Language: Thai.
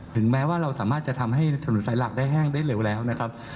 แม้ว่าเราสามารถจะทำให้ถนนสายหลักได้แห้งได้เร็วแล้วนะครับ